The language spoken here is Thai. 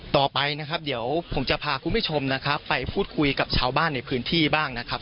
ต่อไปนะครับเดี๋ยวผมจะพาคุณผู้ชมนะครับไปพูดคุยกับชาวบ้านในพื้นที่บ้างนะครับ